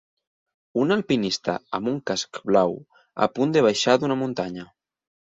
Un alpinista amb un casc blau a punt de baixar d'una muntanya.